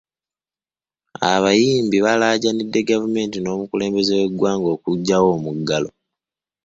Abayimbi balaajanidde gavumeenti n’omukulembeze w’eggwanga okugyawo omuggalo.